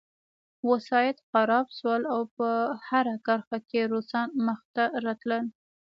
وسایط خراب شول او په هره کرښه کې روسان مخته راتلل